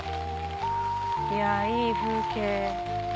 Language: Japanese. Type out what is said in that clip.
いやいい風景。